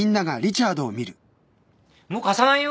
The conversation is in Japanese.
もう貸さないよ。